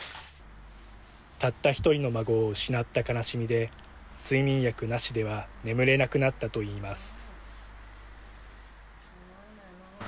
たった１人の孫を失った悲しみで睡眠薬なしでは眠れなくなったといいます。